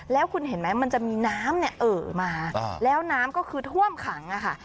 แล้วคุณเห็นไหมมันจะมีน้ำเนี่ยเอ่อมาแล้วน้ำก็คือท่วมขังอะค่ะ